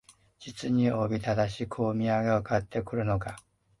実におびただしくお土産を買って来るのが、